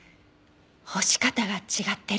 干し方が違ってる。